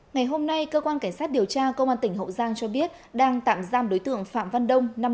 ngày hôm nay cơ quan cảnh sát điều tra công an tỉnh hậu giang cho biết đang tạm giam đối tượng phạm văn đông